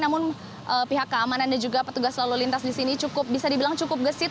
namun pihak keamanan dan juga petugas lalu lintas di sini cukup bisa dibilang cukup gesit